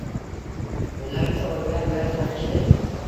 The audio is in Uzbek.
Ular choralar bilan tanishdi.